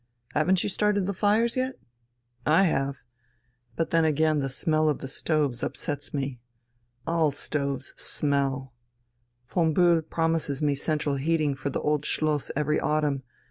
Haven't you started fires yet? I have. But then again the smell of the stoves upsets me. All stoves smell. Von Bühl promises me central heating for the Old Schloss every autumn.